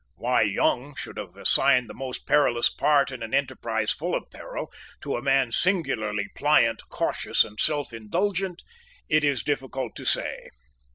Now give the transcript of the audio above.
Why Young should have assigned the most perilous part in an enterprise full of peril to a man singularly pliant, cautious and selfindulgent, it is difficult to say.